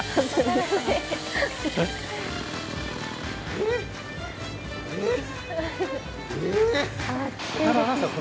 えっ、えーっ？